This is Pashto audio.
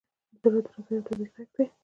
• د زړه درزا یو طبیعي ږغ دی.